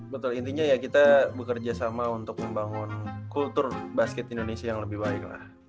betul intinya ya kita bekerja sama untuk membangun kultur basket indonesia yang lebih baik lah